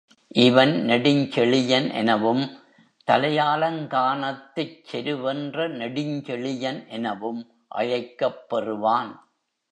இவன் நெடுஞ்செழியன் எனவும் தலையாலங்கானத்துச் செருவென்ற நெடுஞ்செழியன் எனவும் அழைக்கப் பெறுவான்.